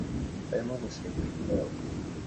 Barimo bishimira ubwabo.